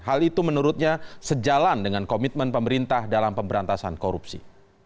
hal itu menurutnya sejalan dengan komitmen pemerintah dalam pemberantasan korupsi